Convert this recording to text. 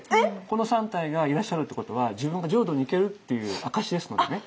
この３体がいらっしゃるってことは自分が浄土に行けるっていう証しですのでね。